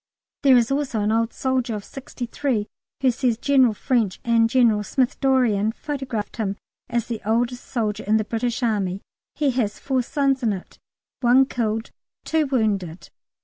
There is also an old soldier of sixty three who says General French and General Smith Dorrien photographed him as the oldest soldier in the British Army. He has four sons in it, one killed, two wounded.